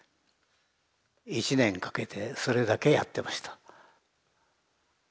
１年かけてそれだけやってました。